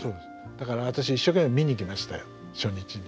だから私一生懸命見に行きましたよ初日に。